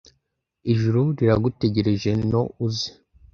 ijuru riragutegereje no uze